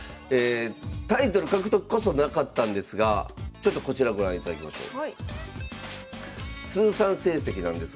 タイトル獲得こそなかったんですがちょっとこちらご覧いただきましょう。